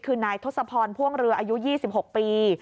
คือนายทศพรพ่วงเรืออายุ๒๖ปี